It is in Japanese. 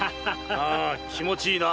ああ気持ちいいな。